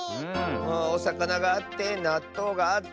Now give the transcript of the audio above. おさかながあってなっとうがあって。